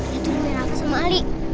dia turunin aku sama ali